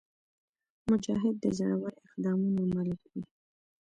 مجاهد د زړور اقدامونو مالک وي.